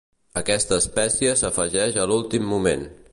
Aquesta espècia s'afegeix a l'últim moment.